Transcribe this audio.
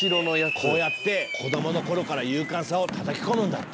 こうやって子どもの頃から勇敢さをたたき込むんだって。